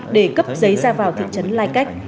để cấp giấy ra vào thị trấn lai cách